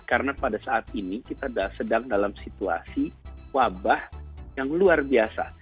karena pada saat ini kita sedang dalam situasi wabah yang luar biasa